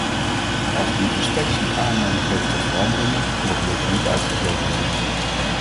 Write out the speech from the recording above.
Als die inspectie aanleiding geeft tot veranderingen, mogen deze niet uitgesloten worden.